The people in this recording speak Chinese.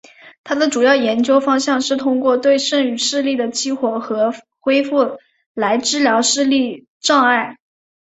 他的主要研究方向是通过对剩余视力的激活和恢复来治疗视力障碍。